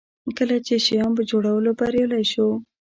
کله چې شیام په جوړولو بریالی شو.